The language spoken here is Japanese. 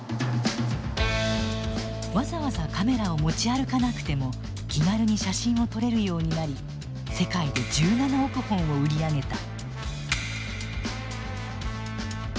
わざわざカメラを持ち歩かなくても気軽に写真を撮れるようになり世界で１７億本を売り上げた。